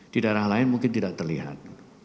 di daerah lain mungkin tidak terlihat